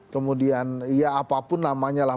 kemudian ya apapun namanya lah